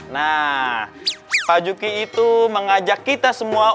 nah pak juki itu mengajak kita semua